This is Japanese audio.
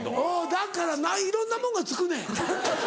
だからないろんなもんがつくねん。